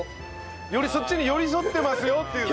そっちに寄り添ってますよっていうね。